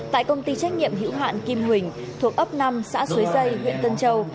tại công ty trách nhiệm hữu hạn kim huỳnh thuộc ấp năm xã xuế dây huyện tân châu